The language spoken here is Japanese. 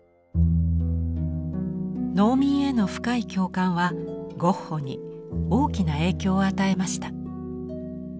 農民への深い共感はゴッホに大きな影響を与えました。